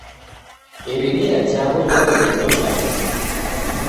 iridia jaw'o jaw'eni dosha meso.